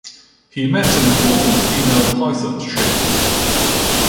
He met an important female python shaman.